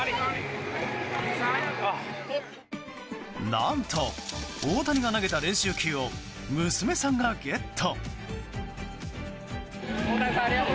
何と、大谷が投げた練習球を娘さんがゲット！